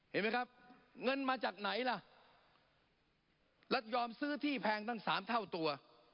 เห็นไหมครับเงินมาจากไหนล่ะแล้วยอมซื้อที่แพงตั้งสามเท่าตัว